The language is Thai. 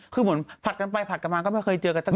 คือเหมือนผัดกันไปผัดกันมาก็ไม่เคยเจอกันตั้ง